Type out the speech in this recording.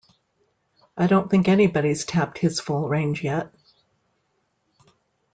I don't think anybody's tapped his full range yet.